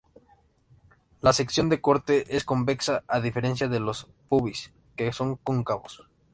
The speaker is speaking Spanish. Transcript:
La sección de corte es convexa, a diferencia de los pubis, que son cóncavos.